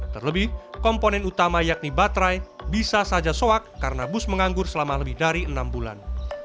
terlebih komponen utama yakni baterai bisa saja soak karena bus menganggur selama lebih dari enam bulan